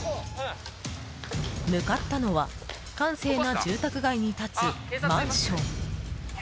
向かったのは閑静な住宅街に立つマンション。